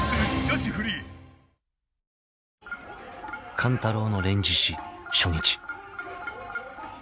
［勘太郎の『連獅子』初日］